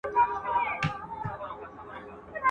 د خندا جنازه ولاړه غم لړلې.